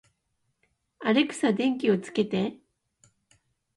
アレクサ、電気をつけて